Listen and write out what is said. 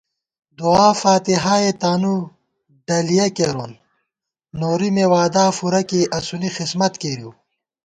دُعا فاتِحائےتانُو ڈَلِیَہ کېرون، نوری مےوعدا فُورہ کېئی اسُونی خِسمت کېرِؤ